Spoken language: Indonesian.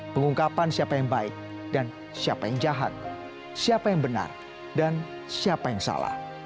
pengungkapan siapa yang baik dan siapa yang jahat siapa yang benar dan siapa yang salah